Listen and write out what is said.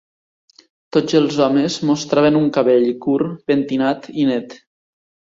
Tots els homes mostraven un cabell curt, pentinat i net.